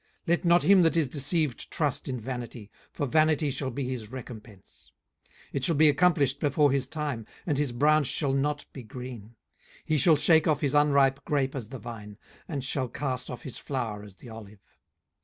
18:015:031 Let not him that is deceived trust in vanity: for vanity shall be his recompence. 18:015:032 It shall be accomplished before his time, and his branch shall not be green. 18:015:033 He shall shake off his unripe grape as the vine, and shall cast off his flower as the olive.